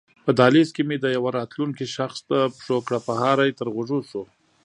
په دهلېز کې مې د یوه راتلونکي شخص د پښو کړپهاری تر غوږو شو.